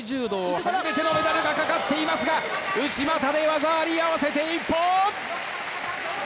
初めてのメダルがかかっていますが、内股で技あり、合わせて一本！